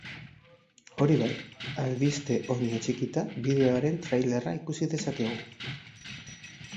Hori bai, albiste honi atxikita, bideoaren trailerra ikus dezakegu.